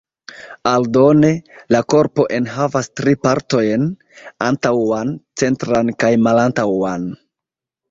Aldone, la korpo enhavas tri partojn: antaŭan, centran kaj malantaŭan.